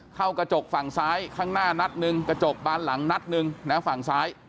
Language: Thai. เข้ากระจกฝั่งซ้ายข้างหน้านัดหนึ่งกระจกบานหลังนัดหนึ่งนะฝั่งซ้าย